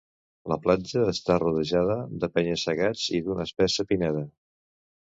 La platja està rodejada de penya-segats i d’una espessa pineda.